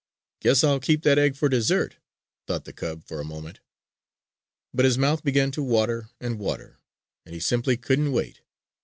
"Guess I'll keep that egg for dessert," thought the cub for a moment. But his mouth began to water and water, and he simply couldn't wait.